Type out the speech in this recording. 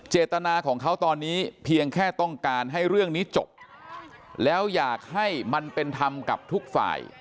เจตนาของเขาตอนนี้เพียงแค่ต้องการให้เรื่องนี้จบแล้วอยากให้มันเป็นธรรมกับทุกฝ่าย